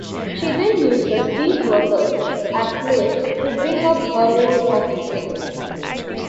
She then uses these workers as slaves to bring up her own offspring.